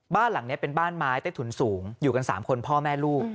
บ้านหลังนี้เป็นบ้านไม้ใต้ถุนสูงอยู่กัน๓คนพ่อแม่ลูก